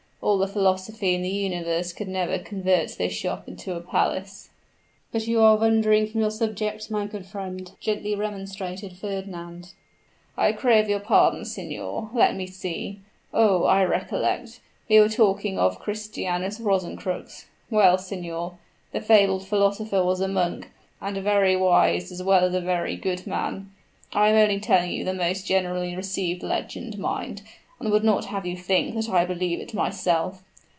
All the philosophy in the universe could never convert this shop into a palace." "But you are wandering from your subject, my good friend," gently remonstrated Fernand. "I crave your pardon, signor. Let me see. Oh, I recollect; we were talking of Christianus Rosencrux. Well, signor, the fabled philosopher was a monk, and a very wise as well as a very good man. I am only telling you the most generally received legend, mind, and would not have you think that I believe it myself.